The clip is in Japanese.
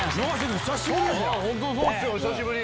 久しぶり。